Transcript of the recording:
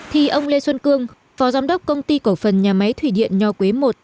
thì ông lê xuân cương phó giám đốc công ty cổ phần nhà máy thủy điện nho quế i